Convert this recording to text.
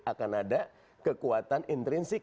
akan ada kekuatan intrinsik